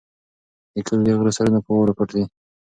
د کلي د غره سرونه په واورو پټ دي.